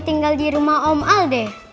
tinggal di rumah om al deh